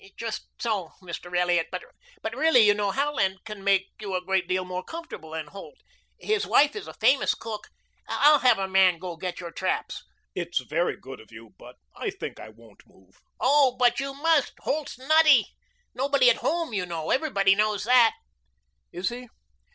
"Just so, Mr. Elliot. But really, you know, Howland can make you a great deal more comfortable than Holt. His wife is a famous cook. I'll have a man go get your traps." "It's very good of you, but I think I won't move." "Oh, but you must. Holt's nutty nobody at home, you know. Everybody knows that." "Is he?